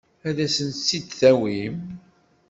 Ad asen-tt-id-tawim?